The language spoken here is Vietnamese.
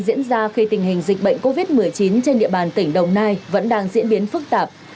tình hình dịch bệnh covid một mươi chín trên địa bàn tỉnh đồng nai vẫn đang diễn biến phức tạp